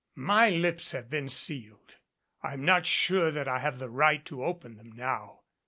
"My lips have been sealed. I'm not sure that I have the right to open them now.